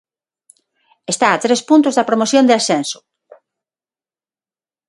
Está a tres puntos da promoción de ascenso.